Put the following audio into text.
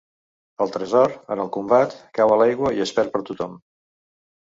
El tresor, en el combat, cau a l'aigua i es perd per tothom.